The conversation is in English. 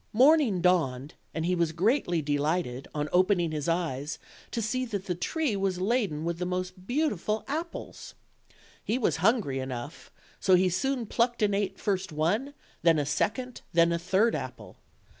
Morning dawned, and he was greatly delighted, on opening his eyes, to see that the tree was laden with the most beautiful apples. He was hungry enough, so he soon plucked and ate first one, then a second, then a third apple.